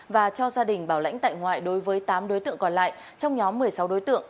và cho gia đình bảo lãnh tại ngoại đối với tám đối tượng còn lại trong nhóm một mươi sáu đối tượng